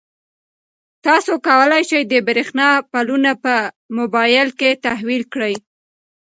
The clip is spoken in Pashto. تاسو کولای شئ د برښنا بلونه په موبایل کې تحویل کړئ.